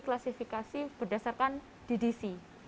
kita identifikasi berdasarkan ddc